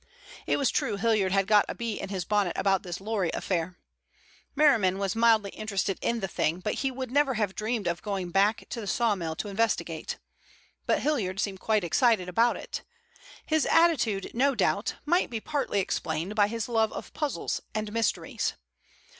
It was true Hilliard had got a bee in his bonnet about this lorry affair. Merriman was mildly interested in the thing, but he would never have dreamed of going back to the sawmill to investigate. But Hilliard seemed quite excited about it. His attitude, no doubt, might be partly explained by his love of puzzles and mysteries.